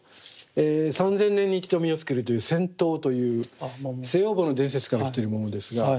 ３，０００年に１度実をつけるという仙桃という西王母の伝説から来てるものですが。